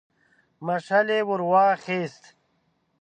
مشعل يې ور واخيست.